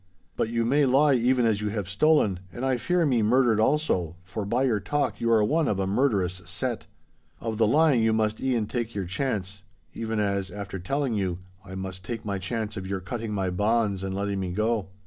'But you may lie even as you have stolen, and I fear me murdered also, for by your talk you are one of a murderous set.' 'Of the lying you must e'en take your chance—even as, after telling you, I must take my chance of your cutting my bonds and letting me go.